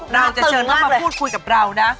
นางจะเชิญเข้ามาพูดคุยกับเรานะ